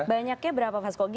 banyaknya berapa fasko